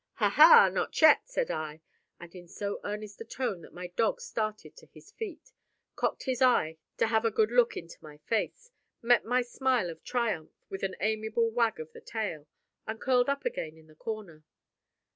"Ha ha! not yet!" said I, and in so earnest a tone that my dog started to his feet, cocked his eye to have a good look into my face, met my smile of triumph with an amiable wag of the tail, and curled up again in the corner.